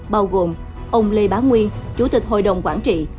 bao gồm ông lê bá nguyên chủ tịch hội đồng quản trị